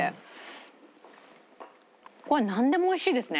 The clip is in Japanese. これなんでもおいしいですね。